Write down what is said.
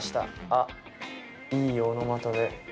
あっいいオノマトペ。